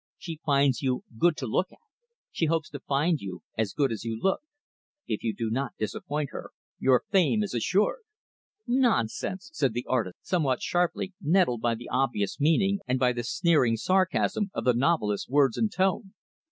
She finds you good to look at. She hopes to find you as good as you look. If you do not disappoint her, your fame is assured." "Nonsense," said the artist, somewhat sharply; nettled by the obvious meaning and by the sneering sarcasm of the novelist's words and tone.